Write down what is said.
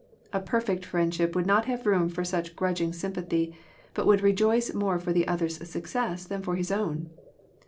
A perfect friendship would not have room for such grudging sympathy, but would rejoice more for the other's success than for his own.